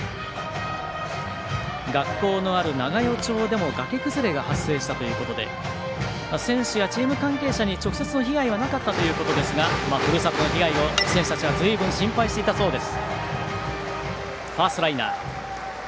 学校のある長与町でも崖崩れが発生したということで選手やチーム関係者に直接被害はなかったということですがふるさとの被害を、選手たちはずいぶん心配していたそうです。